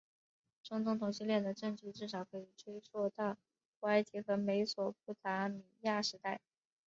中东同性恋的证据至少可以追溯到古埃及和美索不达米亚时代。